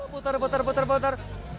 putar putar putar putar